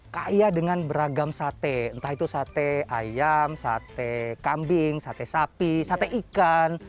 kaya dengan beragam sate entah itu sate ayam sate kambing sate sapi sate ikan